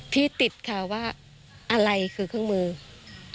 ที่ติดค่ะว่าอะไรคือเครื่องมือ